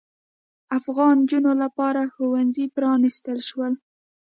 افغان نجونو لپاره ښوونځي پرانیستل شول.